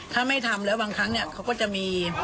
ถ้าไม่ทำแล้วบางครั้งเนี่ยเขาก็จะมี